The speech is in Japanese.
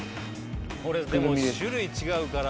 これ種類違うから。